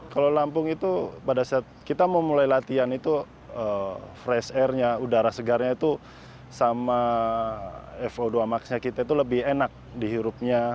kalau lampung itu pada saat kita mau mulai latihan itu fresh airnya udara segarnya itu sama fo dua max nya kita itu lebih enak dihirupnya